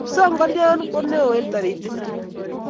Chepsongolian ku neoo eng' toritik tugul.